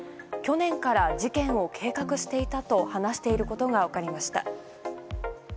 去年から事件を計画していたと話していることが分かりました。